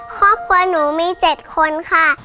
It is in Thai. ครอบครัวหนูมี๗คนค่ะ